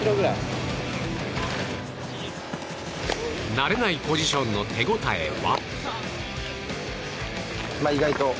慣れないポジションの手応えは？